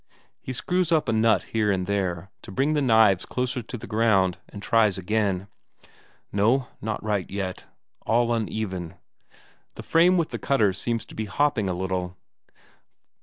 He screws up a nut here and there to bring the knives closer to the ground, and tries again. No, not right yet, all uneven; the frame with the cutters seems to be hopping a little.